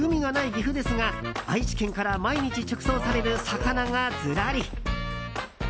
岐阜ですが愛知県から毎日直送される魚がずらり。